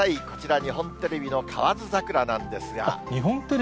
こちら、日本テレビの河津桜なんですが。